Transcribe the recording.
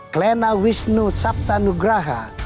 klena wisnu sabtanugraha